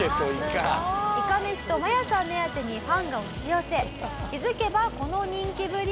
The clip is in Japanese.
いかめしとマヤさん目当てにファンが押し寄せ気づけばこの人気ぶり。